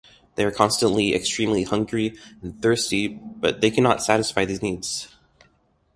They are constantly extremely hungry and thirsty, but they cannot satisfy these needs.